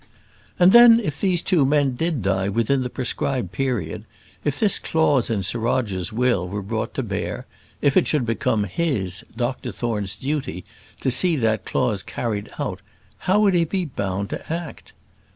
And then, if these two men did die within the prescribed period, if this clause in Sir Roger's will were brought to bear, if it should become his, Dr Thorne's, duty to see that clause carried out, how would he be bound to act?